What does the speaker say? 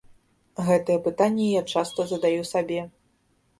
Гэта пытанне я часта задаю сабе.